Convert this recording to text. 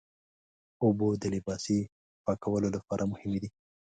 اوبه د لباسي پاکولو لپاره مهمې دي.